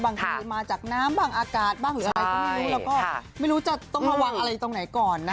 บางทีมาจากน้ำบ้างอากาศบ้างหรืออะไรก็ไม่รู้แล้วก็ไม่รู้จะต้องระวังอะไรตรงไหนก่อนนะ